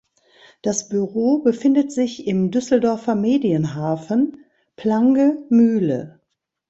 Das Büro befindet sich im Düsseldorfer Medienhafen, Plange Mühle.